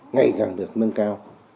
ngày càng được nâng cao